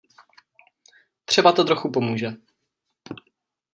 Třeba to trochu pomůže.